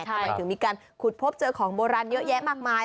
ทำไมถึงมีการขุดพบเจอของโบราณเยอะแยะมากมาย